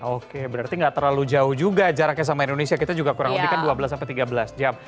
oke berarti nggak terlalu jauh juga jaraknya sama indonesia kita juga kurang lebih kan dua belas sampai tiga belas jam